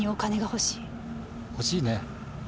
欲しいね。